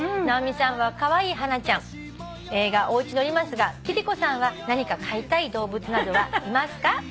「直美さんはカワイイハナちゃんがおうちにおりますが貴理子さんは何か飼いたい動物などはいますか？」